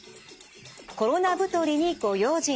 「コロナ太りにご用心！」